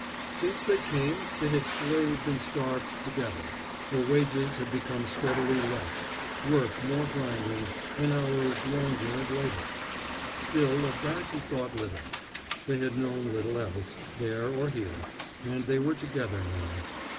Since they came they had slaved and starved together; for wages had become steadily less, work more grinding, and hours longer and later. Still, of that he thought little. They had known little else, there or here, and they were together now.